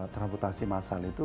transportasi massal itu